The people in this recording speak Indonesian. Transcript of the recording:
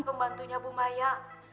pembantunya bu maya